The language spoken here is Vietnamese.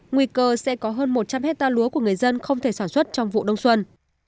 nguy cơ sẽ có hơn một trăm linh hectare lúa của người dân không thể sản xuất trong vụ đông xuân